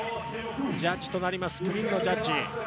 ジャッジとなります、９人のジャッジ。